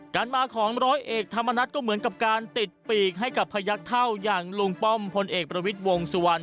การมาของร้อยเอกธรรมนัฐก็เหมือนกับการติดปีกให้กับพยักษ์เท่าอย่างลุงป้อมพลเอกประวิทย์วงสุวรรณ